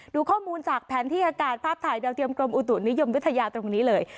ดูข้อมูลจากแผนที่อากาศภาพถ่ายดาวเทียมกรมอุตุนิยมวิทยาตรงนี้เลย